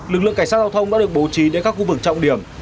lực lượng cảnh sát giao thông đã được bố trí đến các khu vực trọng điểm